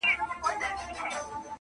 په بل کلي کي د دې سړي یو یار وو,